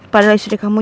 padahal istri kamu